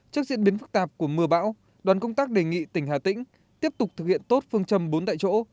trước diễn biến phức tạp của mưa bão đoàn công tác đề nghị tỉnh hà tĩnh tiếp tục thực hiện tốt phương châm bốn tại chỗ